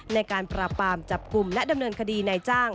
ในการปราบปรามจับกลุ่มและดำเนินคดีนายจ้าง